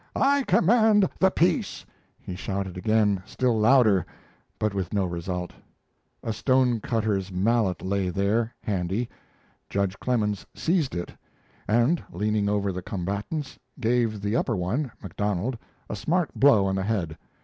"I command the peace!" he shouted again, still louder, but with no result. A stone cutter's mallet lay there, handy. Judge Clemens seized it and, leaning over the combatants, gave the upper one, MacDonald, a smart blow on the head.